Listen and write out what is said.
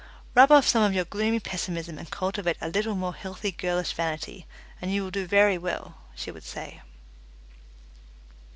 "Rub off some of your gloomy pessimism and cultivate a little more healthy girlish vanity, and you will do very well," she would say.